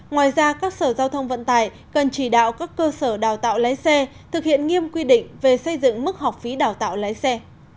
ngoài ra các sở giao thông vận tải cần chỉ đạo các cơ sở đào tạo lái xe thực hiện nghiêm quy định về xây dựng mức học phí đào tạo lái xe